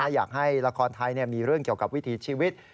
อยากให้ละครไทยมีเรื่องเกี่ยวกับวิถีชีวิต